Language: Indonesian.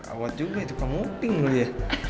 awet juga itu penguping lo ya